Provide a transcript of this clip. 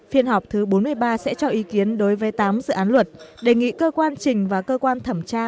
phiên họp thứ bốn mươi ba sẽ cho ý kiến đối với tám dự án luật đề nghị cơ quan trình và cơ quan thẩm tra